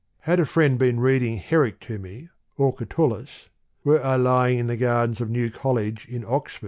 Had a friend been reading Herrick to me, or Catullus ; were I lying in the gardens of New College in Oxford, THE POEMS OF MR.